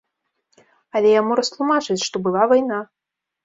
Але яму растлумачаць, што была вайна.